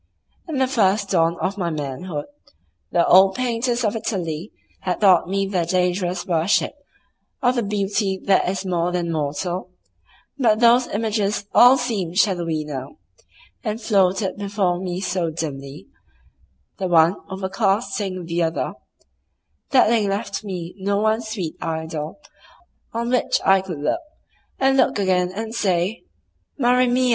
In the first dawn of my manhood the old painters of Italy had taught me their dangerous worship of the beauty that is more than mortal, but those images all seemed shadowy now, and floated before me so dimly, the one overcasting the other, that they left me no one sweet idol on which I could look and look again and say, "Maria mia!"